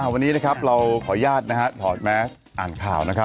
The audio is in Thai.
วันนี้นะครับเราขออนุญาตถอดแมสอ่านข่าวนะครับ